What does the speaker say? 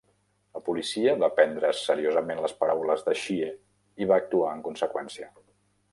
La policia va prendre's seriosament les paraules de Xie i va actuar en conseqüència.